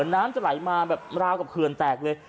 น้ำจะไหลมาแบบราวกับเขื่อนแตกเลย